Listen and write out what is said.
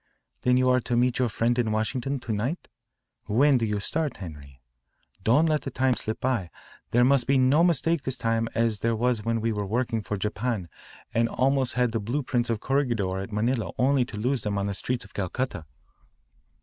"Then you are to meet your friend in Washington to night? When do you start, Henri? Don't let the time slip by. There must be no mistake this time as there was when we were working for Japan and almost had the blue prints of Corregidor at Manila only to lose them on the streets of Calcutta."